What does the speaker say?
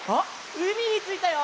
うみについたよ！